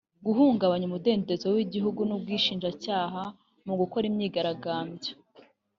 guhungabanya umudendezo w’igihugu n’ubwinjiracyaha mu gukora imyigaragambyo